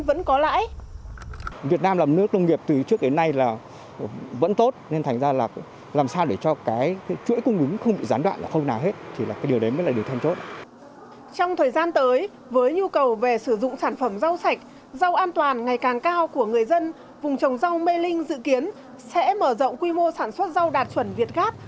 vùng trồng rau mê linh dự kiến sẽ mở rộng quy mô sản xuất rau đạt chuẩn việt gáp